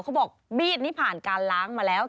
เขาบอกมีดนี่ผ่านการล้างมาแล้ว